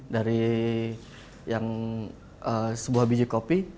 dari yang sebuah biji kopi